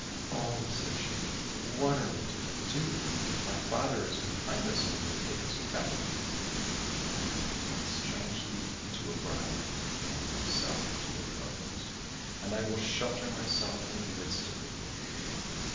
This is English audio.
"Oh," said she, "what are we to do? My father is behind us, and will take us back with him. I will at once change thee into a briar, and myself into a rose, and I will shelter myself in the midst of the bush."